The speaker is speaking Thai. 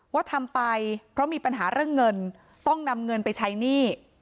ว่าทำไปเพราะมีปัญหาเรื่องเงินต้องนำเงินไปใช้หนี้